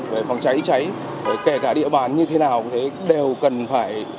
về phòng cháy cháy kể cả địa bàn như thế nào đều cần phải